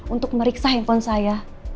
untuk meriksa handphone saya